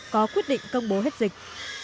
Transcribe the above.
có quyết định công bố hết dịch